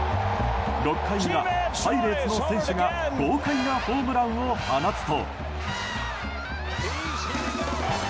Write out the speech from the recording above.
６回裏、パイレーツの選手が豪快なホームランを放つと。